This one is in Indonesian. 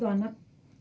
mahu tuh anak